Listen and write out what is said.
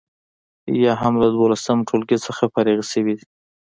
یا هم له دولسم ټولګي څخه فارغې شوي دي.